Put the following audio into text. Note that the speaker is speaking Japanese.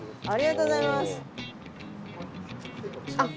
ありがとうございます。